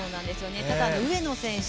ただ、上野選手